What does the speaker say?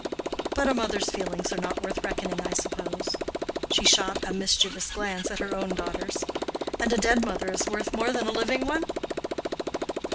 But a mother's feelings are not worth reckoning, I suppose" (she shot a mischievous glance at her own daughters), "and a dead mother is worth more than a living one?"